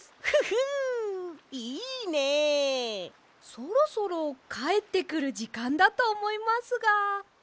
そろそろかえってくるじかんだとおもいますが。